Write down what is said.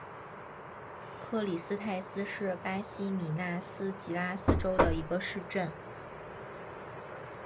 克里斯泰斯是巴西米纳斯吉拉斯州的一个市镇。